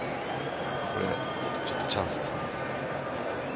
これ、ちょっとチャンスですね。